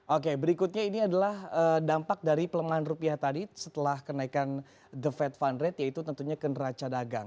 oke berikutnya ini adalah dampak dari pelemahan rupiah tadi setelah kenaikan the fed fund rate yaitu tentunya ke neraca dagang